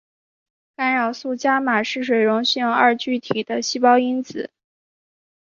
干扰素伽玛是水溶性二聚体的细胞因子。